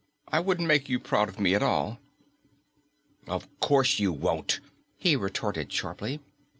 I wouldn't make you proud of me at all." "Of course you won't," he retorted sharply.